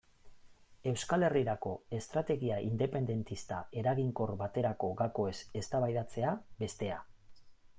Euskal Herrirako estrategia independentista eraginkor baterako gakoez eztabaidatzea, bestea.